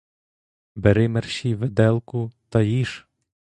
Бери мерщій виделку та їж!